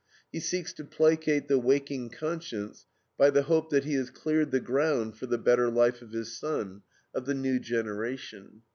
He seeks to placate the waking conscience by the hope that he has cleared the ground for the better life of his son, of the new generation.